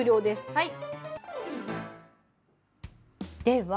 はい。